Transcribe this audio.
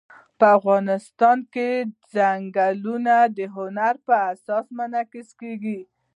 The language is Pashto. افغانستان کې چنګلونه د هنر په اثار کې منعکس کېږي.